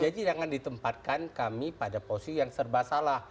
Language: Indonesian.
jadi jangan ditempatkan kami pada posisi yang serba salah